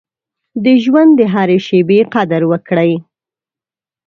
د ژوند د هرې شېبې قدر وکړئ.